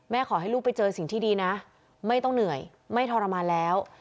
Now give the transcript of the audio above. ขอให้ลูกไปเจอสิ่งที่ดีนะไม่ต้องเหนื่อยไม่ทรมานแล้ว